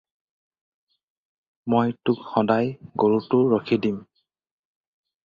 মই তোক সদায় গৰুটো ৰখি দিম।